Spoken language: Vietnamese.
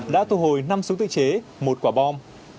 đã thu hồi năm súng tự chế một quả bom